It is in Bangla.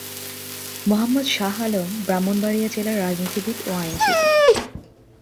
মোহাম্মদ শাহ আলম ব্রাহ্মণবাড়িয়া জেলার রাজনীতিবিদ ও আইনজীবী।